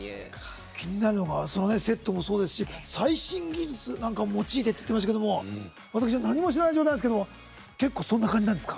気になるのがセットもそうですし最新技術なんかも用いてって言ってましたけど私は何も知らない状態なんですがそんな感じなんですか？